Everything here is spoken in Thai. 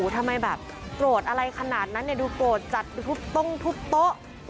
ทำไมแบบโกรธอะไรขนาดนั้นดูโกรธจัดทุบตรงทุบโต๊ะ